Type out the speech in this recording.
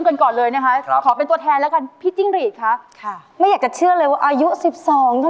แข่งความเหงื่อลงทางกลางป่ายืนมองฟ้าไร้ดาว